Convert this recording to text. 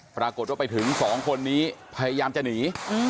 ปรากฏว่าไปถึงสองคนนี้พยายามจะหนี